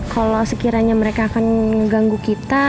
kalo sekiranya mereka akan ngganggu kita